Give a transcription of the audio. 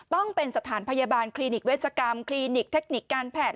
ต้องเป็นสถานพยาบาลคลินิกเวชกรรมคลินิกเทคนิคการแพทย